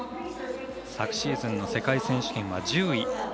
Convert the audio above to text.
昨シーズンの世界選手権は１０位。